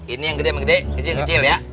ini yang gede sama gede kecil sama kecil ya